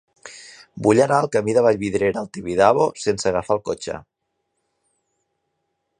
Vull anar al camí de Vallvidrera al Tibidabo sense agafar el cotxe.